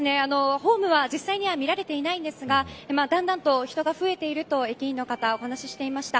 ホームは実際には見られていないんですがだんだんと人が増えていると駅の方、お話していました。